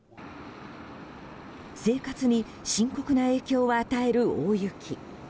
生活に深刻な影響を与える大雪。